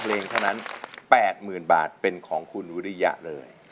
เพลงเท่านั้น๘๐๐๐บาทเป็นของคุณวิริยะเลย